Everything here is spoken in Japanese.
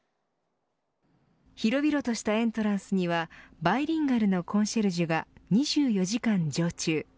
広々としたエントランスにはバイリンガルのコンシェルジュが２４時間常駐。